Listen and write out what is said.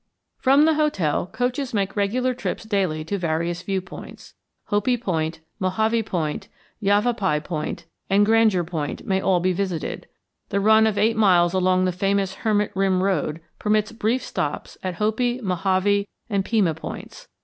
From the hotel, coaches make regular trips daily to various viewpoints. Hopi Point, Mohave Point, Yavapai Point, and Grandeur Point may all be visited; the run of eight miles along the famous Hermit Rim Road permits brief stops at Hopi, Mohave, and Pima Points.